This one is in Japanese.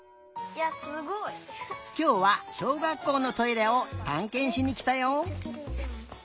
きょうはしょうがっこうのトイレをたんけんしにきたよ。